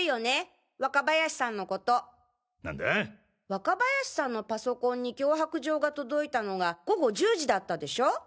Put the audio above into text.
若林さんのパソコンに脅迫状が届いたのが午後１０時だったでしょ。